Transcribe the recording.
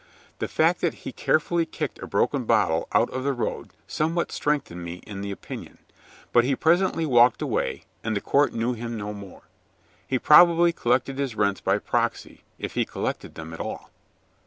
The fact that he carefully kicked a broken bottle out of the road somewhat strengthened me in the opinion. But he presently walked away, and the court knew him no more. He probably collected his rents by proxy if he collected them at all.